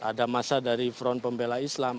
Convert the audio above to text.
ada masa dari front pembela islam